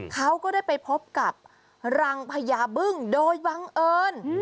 เขาก็ได้ไปพบกับรังพญาบึ้งโดยบังเอิญ